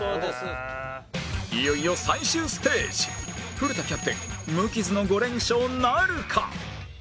いよいよ最終ステージ古田キャプテン無傷の５連勝なるか？